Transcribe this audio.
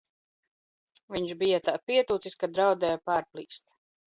Viņš bija tā pietūcis, ka draudēja pārplīst!